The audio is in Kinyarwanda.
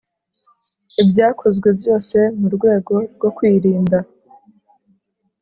Ibyakozwe byose mu rwego rwo kwirinda